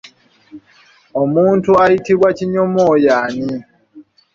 Omuntu ayitibwa kinyomo y'ani?